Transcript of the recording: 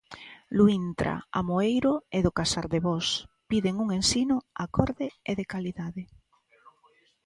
Luíntra, Amoeiro e do Casardevós piden un ensino acorde e de calidade.